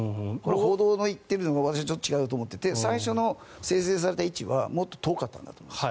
報道の言っているのが私はちょっと違うと思っていて最初の生成された位置はもっと遠かったんだと思います。